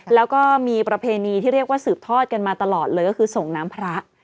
แล้วก็มีประเพณีที่เรียกว่าสืบทอดกันมาตลอดเลยก็คือส่งน้ำพระ